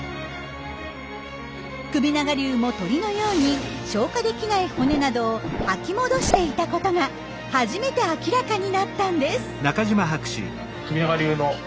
首長竜も鳥のように消化できない骨などを吐き戻していたことが初めて明らかになったんです！